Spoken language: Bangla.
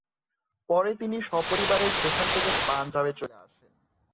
পরে তিনি স্বপরিবারে সেখান থেকে পাঞ্জাবে চলে আসেন।